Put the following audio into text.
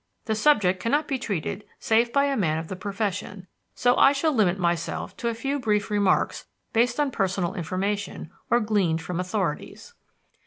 The subject cannot be treated save by a man of the profession, so I shall limit myself to a few brief remarks based on personal information, or gleaned from authorities.